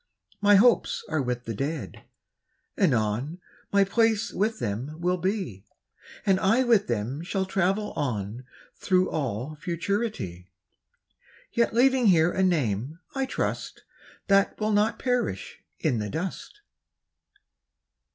My hopes are with the Dead, anon My place with them will be, And I with them shall travel on Through all Futurity; Yet leaving here a name, I trust, That will not perish in the dust.